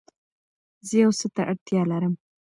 زه يو څه ته اړتيا لرم